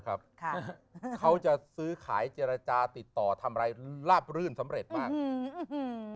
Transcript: เขาจะซื้อขายเจรจาติดต่อทำอะไรลาบรื่นสำเร็จมาก